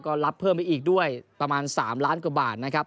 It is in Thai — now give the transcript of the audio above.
ก็รับเพิ่มไปอีกด้วยประมาณ๓ล้านกว่าบาทนะครับ